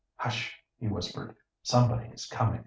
"Hush!" he whispered. "Somebody is coming!